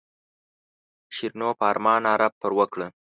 شیرینو په ارمان ناره پر وکړه.